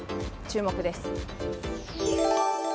注目です。